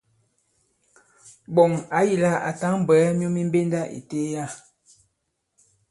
Ɓɔ̀ŋ ɔ̌ yī lā à tǎŋ bwɛ̀ɛ myu mi mbenda ì teliya.